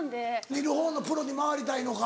見る方のプロに回りたいのか。